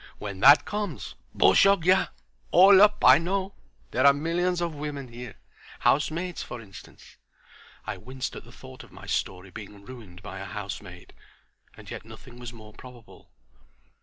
When that comes; bushogya—all up' I know. There are millions of women here. Housemaids, for instance." I winced at the thought of my story being ruined by a housemaid. And yet nothing was more probable.